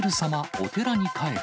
お寺に帰る。